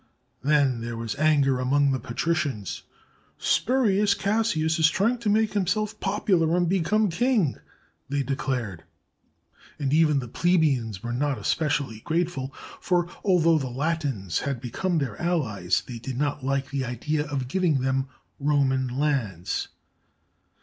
Then there was anger among the patricians. Spurius Cassius is tr^^ing to make himself popular and become king," they declared; and even the plebeians were not especially grateful, for, although the Latins had become their allies, they did not like the idea of giv ing them Roman lands.